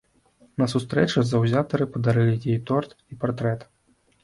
На сустрэчы заўзятары падарылі ёй торт і партрэт.